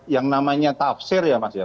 yang namanya tafsir ya mas ya